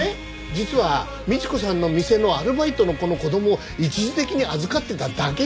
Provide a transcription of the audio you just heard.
実は倫子さんの店のアルバイトの子の子供を一時的に預かってただけなんだって。